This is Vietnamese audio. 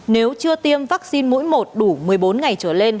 nếu chưa tiêm vaccine mũi một đủ một mươi bốn ngày trở lên